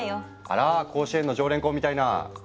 あら甲子園の常連校みたいな。